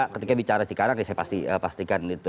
ketika bicara cikarang saya pastikan itu